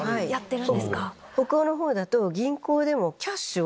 北欧の方だと。